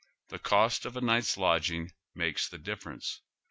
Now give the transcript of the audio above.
The cost of a night's lodging makes the difference.